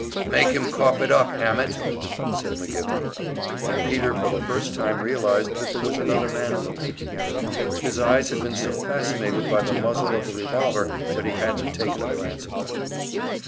"Make him cough up, Hammett!" said McGivney; and Peter for the first time realized that there was another man in the room. His eyes had been so fascinated by the muzzle of the revolver that he hadn't taken a glance about.